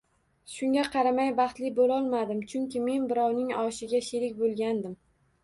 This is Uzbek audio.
Shunga qaramay, baxtli bo'lolmadim, chunki men birovning oshiga sherik bo'lgandim